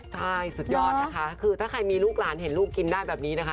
ใช่สุดยอดนะคะคือถ้าใครมีลูกหลานเห็นลูกกินได้แบบนี้นะคะ